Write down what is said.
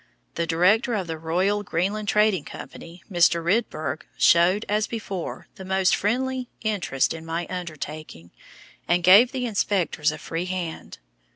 The director of the Royal Greenland Trading Company, Mr. Rydberg, showed, as before, the most friendly interest in my undertaking, and gave the inspectors a free hand.